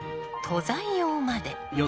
登山用まで。